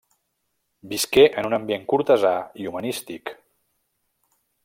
Visqué en un ambient cortesà i humanístic.